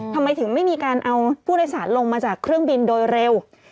ทำไมถึงไม่มีการเอาผู้โดยสารลงมาจากเครื่องบินโดยเร็ว